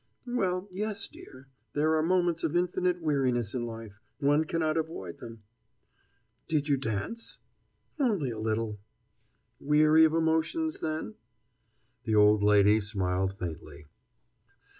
"Well, yes, dear. There are moments of infinite weariness in life. One cannot avoid them." "Did you dance?" "Only a little." "Weary of emotions, then?" The old lady smiled faintly.